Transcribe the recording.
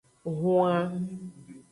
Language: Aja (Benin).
Hwan.